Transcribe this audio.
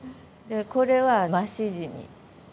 これはマシジミ。